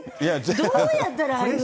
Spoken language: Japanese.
どうやったらああいう。